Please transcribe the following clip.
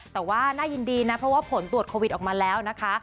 แต่ว่าน่ายินดีนะเพราะว่าผลตรวจโควิดออกมาแล้วนะคะ